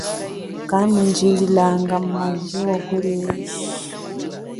Kanundjililanga mu zuwo kuli eji.